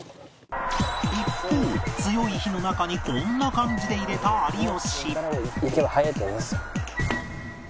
一方強い火の中にこんな感じで入れた有吉